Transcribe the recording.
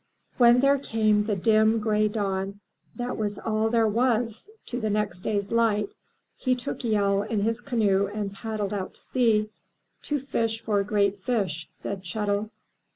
*' When there came the dim gray dawn that was all there was to the next day's light, he took Yehl in his canoe and paddled out to sea — "to fish for great fish," said Chet'l.